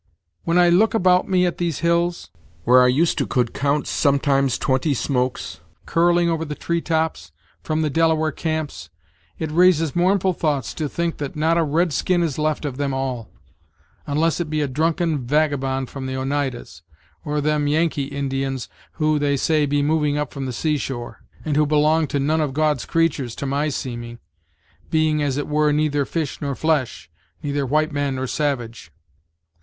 When I look about me, at these hills, where I used to could count sometimes twenty smokes, curling over the tree tops, from the Delaware camps, it raises mournful thoughts, to think that not a red skin is left of them all; unless it be a drunken vagabond from the Oneidas, or them Yankee Indians, who, they say, be moving up from the seashore; and who belong to none of Gods creatures, to my seeming, being, as it were, neither fish nor flesh neither white man nor savage.